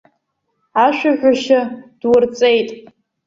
Ашәаҳәашьа дурҵеит?